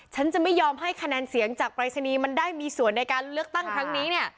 ฉันจะไม่ยอมให้คะแนนเสียงจากปรายศนีย์มันได้มีส่วนในการเลือกตั้งครั้งนี้เนี่ย